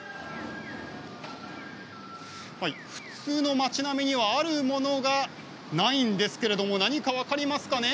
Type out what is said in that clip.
普通の町並みにはあるものがないんですけれども何か分かりますかね。